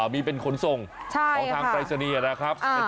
มีเป็นขนส่งของทางไตรศนียะนะครับใช่ค่ะ